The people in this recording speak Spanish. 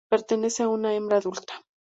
Pertenece a una hembra adulta.